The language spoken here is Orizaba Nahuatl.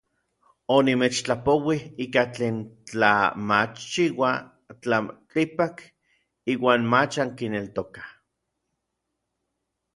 Onimechtlapouij ika tlen tla machchiua tlaltikpak iuan mach ankineltokaj.